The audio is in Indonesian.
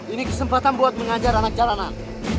ini kesempatan buat mengajar anak jalanan